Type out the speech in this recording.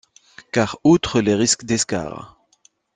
Car outre les risques d'escarres.